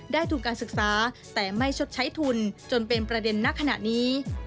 ทุนการศึกษาแต่ไม่ชดใช้ทุนจนเป็นประเด็นณขณะนี้